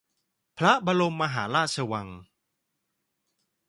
พระบรมมหาราชวัง